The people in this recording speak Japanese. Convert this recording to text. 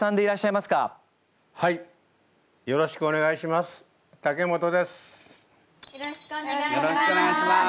よろしくお願いします。